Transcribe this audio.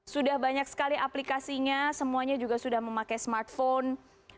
sudah banyak sekali aplikasinya semuanya juga sudah memakai smartphone